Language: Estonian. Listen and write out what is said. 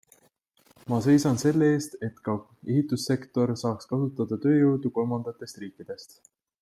Ma seisan selle eest, et ka ehistussektor saaks kasutada tööjõudu kolmandatatest riikidest.